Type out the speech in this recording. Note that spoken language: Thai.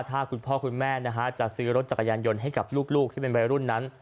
ถ้าคุณพ่อคุณแม่จะซื้อรถจักรยานยนต์ให้กับลูกที่เป็นวัยรุ่นนั้น